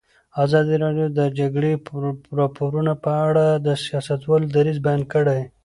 ازادي راډیو د د جګړې راپورونه په اړه د سیاستوالو دریځ بیان کړی.